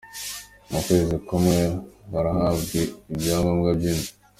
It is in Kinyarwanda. Mu kwezi kumwe barahabwa ibyangombwa by’inzu.